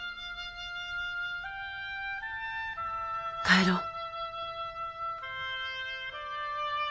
帰ろう。